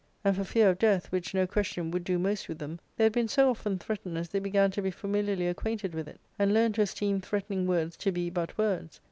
And for fear of death, which, no question, would do most with them, they had been so often threatened as they began to be famiHarly acquainted with it, and learned to esteem threatening words to be but words.